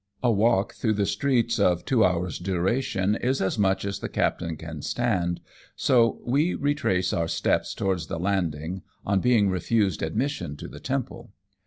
A walk through the streets of two hour^' duration is as much as the captain can stand, so we retrace our steps towards the landing, on being refused admission to the temple.